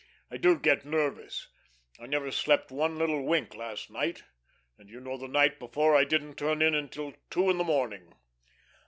I do get nervous. I never slept one little wink last night and you know the night before I didn't turn in till two in the morning."